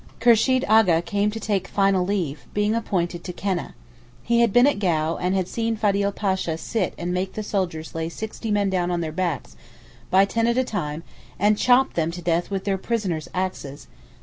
Kursheed Agha came to take final leave being appointed to Keneh. He had been at Gau and had seen Fadil Pasha sit and make the soldiers lay sixty men down on their backs by ten at a time and chop them to death with the pioneers' axes.